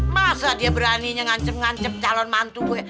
masa dia beraninya ngancep ngancep calon mantu gue